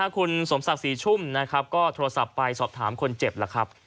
คุณสมศักดิ์ศรีชุ่มนะครับก็โทรศัพท์ไปสอบถามคนเจ็บแล้วครับ